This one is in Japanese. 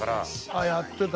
ああやってた。